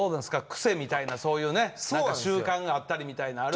クセみたいなそういうね何か習慣があったりみたいなのある？